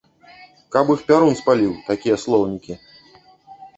Каб іх пярун спаліў, такія слоўнікі!